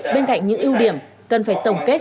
bên cạnh những ưu điểm cần phải tổng kết